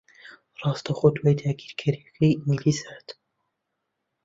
ڕاستەوخۆ دوای داگیرکارییەکەی ئینگلیز ھات